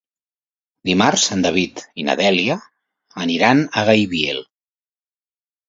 Dimarts en David i na Dèlia iran a Gaibiel.